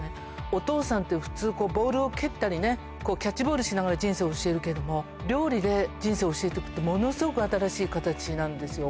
お父さんって、普通、ボールを蹴ったりね、キャッチボールしながら人生を教えるけれども、料理で人生を教えるって、ものすごく新しい形なんですよ。